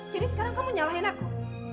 jadi sekarang kamu nyalahin aku